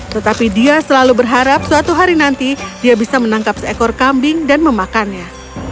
tetapi dia selalu berharap suatu hari nanti dia bisa menangkap seekor kambing dan memakannya